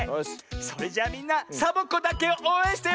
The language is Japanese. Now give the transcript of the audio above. それじゃみんなサボ子だけをおうえんしてよ！